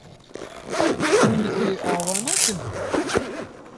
Hûn ê ava nekin.